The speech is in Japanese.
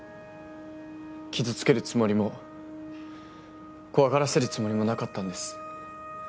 傷つけるつもりも怖がらせるつもりもなかったんです。